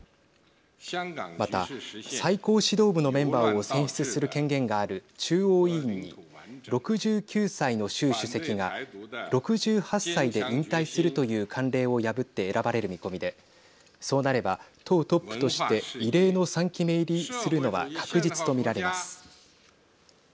また、最高指導部のメンバーを選出する権限がある中央委員に６９歳の習主席が６８歳で引退するという慣例を破って選ばれる見込みで、そうなれば党トップとして異例の３期目入りするのは確実と見られます。